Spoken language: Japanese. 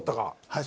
はい。